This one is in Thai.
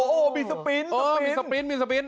โอ้โหมีสปริ้น